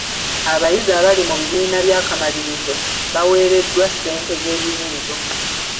Abayizi abali mu bibiina by'akamalirizo baawereddwa ssejnte z'ebibuuzo.